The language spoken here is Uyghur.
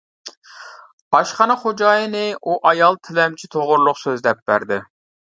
ئاشخانا خوجايىنى ئۇ ئايال تىلەمچى توغرۇلۇق سۆزلەپ بەردى.